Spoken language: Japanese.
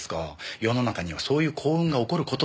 世の中にはそういう幸運が起こる事だって。